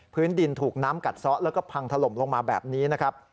พื้นดินถูกน้ำกัดซะแล้วก็พังถล่มลงมาแบบนี้นะครับ